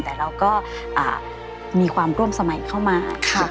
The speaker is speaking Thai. แต่เราก็มีความร่วมสมัยเข้ามา